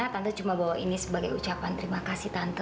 tante cuma bahwa ini sebagai ucapan terima kasih tante